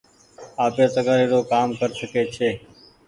آپير تگآري رو ڪآم ڪر سکي ڇي۔